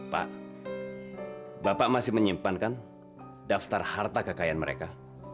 pak bapak masih menyimpankan daftar harta kekayaan mereka